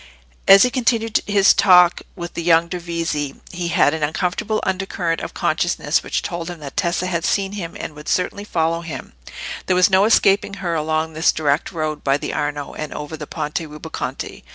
As he continued his talk with the young Dovizi, he had an uncomfortable undercurrent of consciousness which told him that Tessa had seen him and would certainly follow him: there was no escaping her along this direct road by the Arno, and over the Ponte Rubaconte.